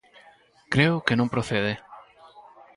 Creo que non procede.